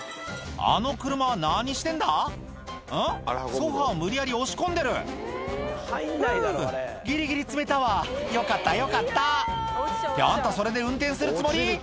ソファ無理やり押し込んでる「ふぅギリギリ積めたわよかったよかった」ってあんたそれで運転するつもり？